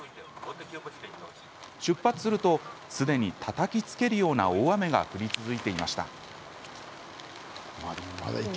出発すると、すでにたたきつけるような大雨が降り続いていました。